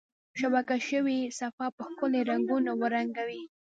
شبکه شوي صفحه په ښکلي رنګونو ورنګوئ.